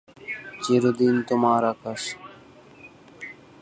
শেখ মুজিবুর রহমান পাকিস্তানের পক্ষে সম্মেলনে যোগ দেন।